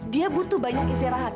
dia butuh banyak istirahat